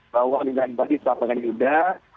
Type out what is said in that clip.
bahwa pembahasan bahwa kita pahamkan yudha